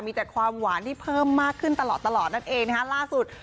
มีแต่ความหวานที่เพิ่มมากขึ้นตลอดตลอดนั่นเองนะฮะล่าสุด